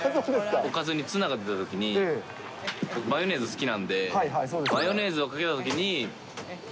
おかずにツナが出たときに、僕、マヨネーズ好きなんで、マヨネーズをかけたときに、え？